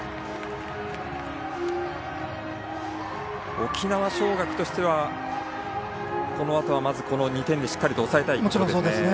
沖縄尚学としてはこのあと、まず２点でしっかりと抑えたいですね。